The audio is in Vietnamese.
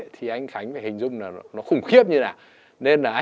thì anh khánh phải hình dung là nó khủng khiếp như thế nào